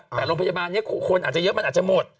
แต่โรงพยาบาลนี้คนอาจจะเยอะมันอาจจะหมด